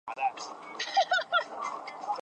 出身于千叶县船桥市。